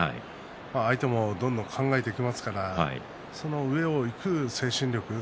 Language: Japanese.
相手もどんどん考えていきますからその上をいく精神力